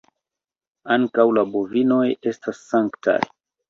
Ankaŭ la bovinoj estas sanktaj.